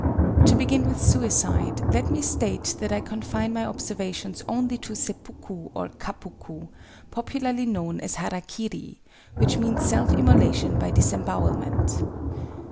To begin with suicide, let me state that I confine my observations only to seppuku or kappuku, popularly known as hara kiri—which means self immolation by disembowelment.